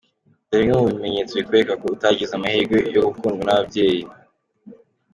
Dore bimwe mu bimenyetso bikwereka ko utagize amahirwe yo gukundwa n’ababyeyi:.